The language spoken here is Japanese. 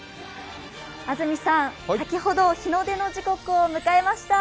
安住さん、先ほど日の出の時刻を迎えました。